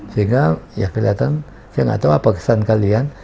sehingga ya kelihatan saya nggak tahu apa kesan kalian